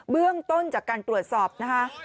เบื้องต้นจากการตรวจสอบนะคะ